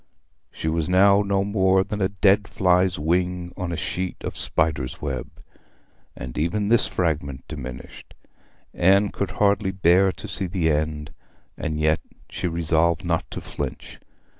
She was now no more than a dead fly's wing on a sheet of spider's web; and even this fragment diminished. Anne could hardly bear to see the end, and yet she resolved not to flinch.